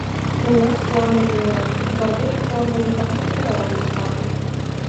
Нунат пуаҥын тӱҥыныт, мардеж пуалме еда чодырала лӱшкалтыт.